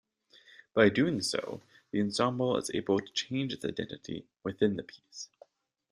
By doing so the ensemble is able to change its identity within the piece.